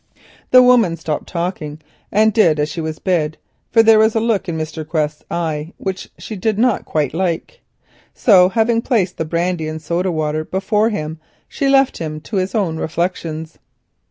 The woman stopped talking and did as she was bid, for there was a look in Mr. Quest's eye which she did not quite like. So having placed the brandy and soda water before him she left him to his own reflections.